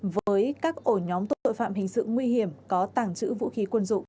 với các ổ nhóm tội phạm hình sự nguy hiểm có tàng trữ vũ khí